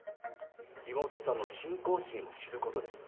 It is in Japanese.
妹さんの信仰心を知ることです。